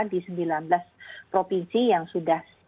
di sembilan belas provinsi yang sudah